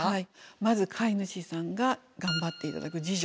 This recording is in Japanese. まず飼い主さんが頑張って頂く自助。